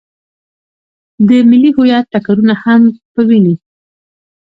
د ملي هویت ټکرونه هم په ويني.